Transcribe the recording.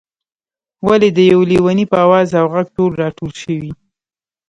ولې د یو لېوني په آواز او غږ ټول راټول شوئ.